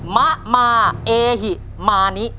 มะมาเอหิมานิ